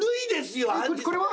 これは？